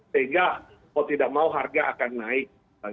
sehingga mau tidak mau harga akan naik